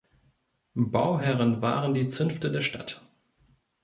Bauherren waren die Zünfte der Stadt.